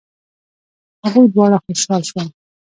هغوی دواړه خوشحاله شول.